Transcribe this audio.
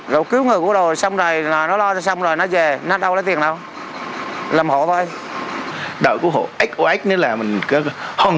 rồi xong rồi nó lo xong rồi nó về nó đâu lấy tiền đâu làm hộ thôi đợi của hộ xox nữa là mình cứ hôn